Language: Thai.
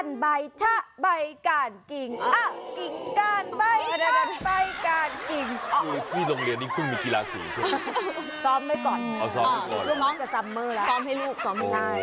รู่กันเก่าจนไม่สอน